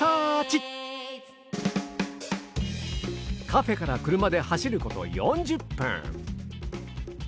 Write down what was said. カフェから車で走ること４０分。